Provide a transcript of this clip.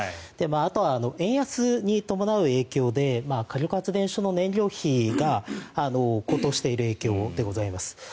あとは円安に伴う影響で火力発電所の燃料費が高騰している影響でございます。